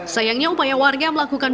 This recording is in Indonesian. sayangnya upaya warga melakukan